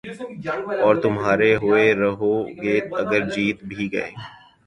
اور تُمہارے ہوئے رہو گے اگر جیت بھی گئے